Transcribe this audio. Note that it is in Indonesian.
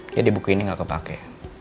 dia di buku ini gak kepake